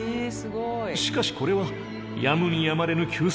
しかしこれはやむにやまれぬ救済方法。